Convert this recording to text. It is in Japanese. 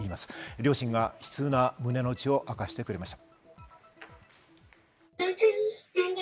両親が悲痛な胸の内を明かしてくれました。